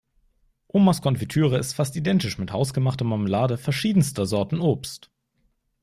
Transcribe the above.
Omas Konfitüre ist fast identisch mit hausgemachter Marmelade verschiedenster Sorten Obst.